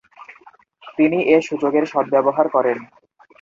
তিনি এ সুযোগের সদ্ব্যবহার করেন।